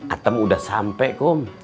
atem udah sampai kum